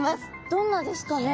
どんなですかね？